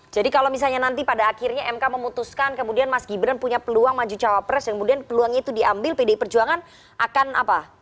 jadi kalau misalnya nanti pada akhirnya mk memutuskan kemudian mas gibran punya peluang maju cawapres kemudian peluang itu diambil pdi perjuangan akan apa